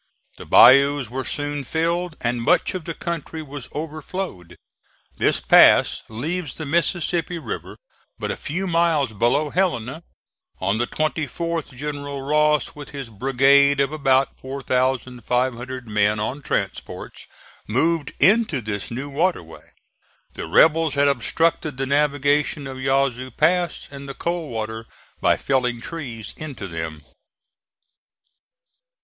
The bayous were soon filled and much of the country was overflowed. This pass leaves the Mississippi River but a few miles below Helena. On the 24th General Ross, with his brigade of about 4,500 men on transports, moved into this new water way. The rebels had obstructed the navigation of Yazoo Pass and the Coldwater by felling trees into them.